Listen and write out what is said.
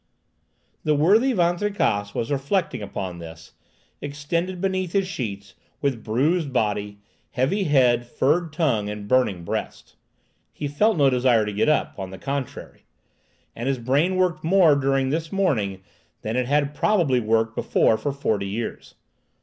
The worthy Van Tricasse was reflecting upon this, extended beneath his sheets, with bruised body, heavy head, furred tongue, and burning breast. He felt no desire to get up; on the contrary; and his brain worked more during this morning than it had probably worked before for forty years.